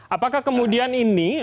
apakah kemudian ini